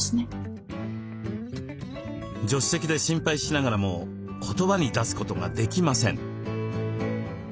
助手席で心配しながらも言葉に出すことができません。